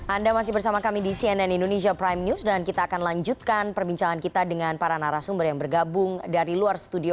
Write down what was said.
anda masih bersama kami di cnn indonesia prime news dan kita akan lanjutkan perbincangan kita dengan para narasumber yang bergabung dari luar studio